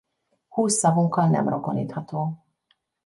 Húsz szavunkkal nem rokonítható.